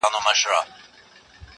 ددې ټولنې ارادې راته خرابې ښکارې